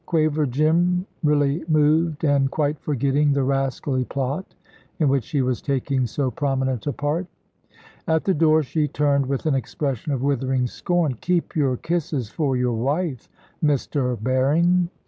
quavered Jim, really moved, and quite forgetting the rascally plot in which he was taking so prominent a part. At the door she turned with an expression of withering scorn. "Keep your kisses for your wife, Mr. Berring!"